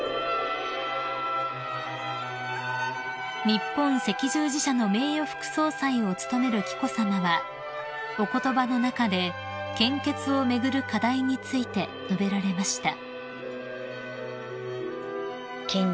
［日本赤十字社の名誉副総裁を務める紀子さまはお言葉の中で献血を巡る課題について述べられました］